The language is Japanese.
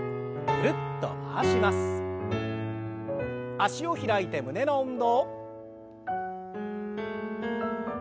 脚を開いて胸の運動。